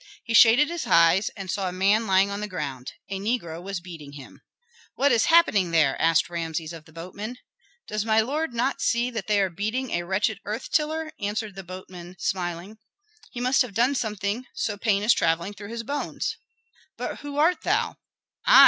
He shaded his eyes and saw a man lying on the ground; a negro was beating him. "What is happening there?" asked Rameses of the boatman. "Does not my lord see that they are beating a wretched earth tiller?" answered the boatman, smiling. "He must have done something, so pain is travelling through his bones." "But who art thou?" "I?"